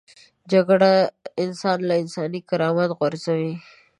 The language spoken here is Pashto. جګړه انسان له انساني کرامت غورځوي